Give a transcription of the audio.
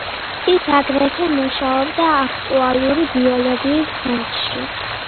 ის აგრეთვე მუშაობდა აქტუალური ბიოლოგიის ფონდში.